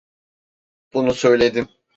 Bunu söyledim.